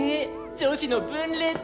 女子の分裂だ！